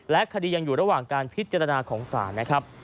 คดียังอยู่ระหว่างการพิจารณาของศาลนะครับ